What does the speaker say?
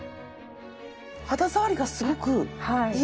肌触りがすごくいいです。